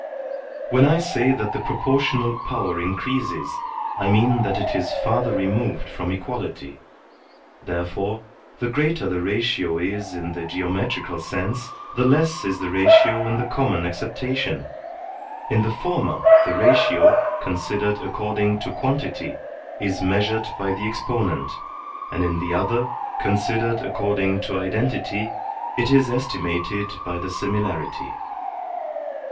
When I say that the proportional power increases, I mean that it is farther removed from equality. There fore, the grater the ratio is in the geometrical sense, the less is the ratio in the common acceptation; in the 52 THE SOCIAL CONTRACT former, the ratio, considered according to quantity, is measured by the exponent, and in the other, considered according to identity, it is estimated by the similarity.